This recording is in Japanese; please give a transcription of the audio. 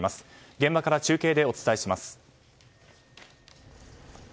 現場から中継でお伝えします。